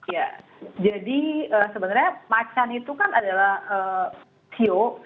ya jadi sebenarnya macan itu kan adalah kio